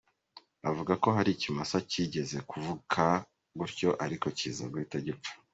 Avuga ko hari ikimasa kigeze kuvuka gutyo ariko kiza guhita gipfa.